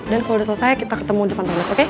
dan kalau udah selesai kita ketemu di pantai next oke